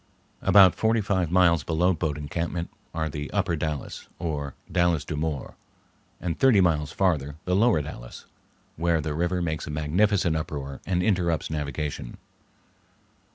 About forty five miles below Boat Encampment are the Upper Dalles, or Dalles de Mort, and thirty miles farther the Lower Dalles, where the river makes a magnificent uproar and interrupts navigation.